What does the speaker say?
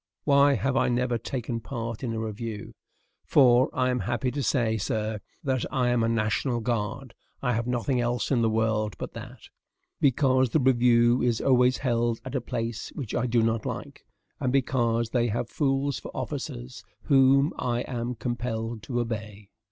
Why have I never taken part in a review? for I am happy to say, sir, that I am a national guard; I have nothing else in the world but that. Because the review is always held at a place which I do not like, and because they have fools for officers whom I am compelled to obey.